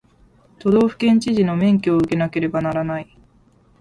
都道府県知事の免許を受けなければならない